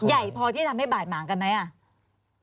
ใหญ่พอที่ทำให้บาดหมางกันไหมอ่ะ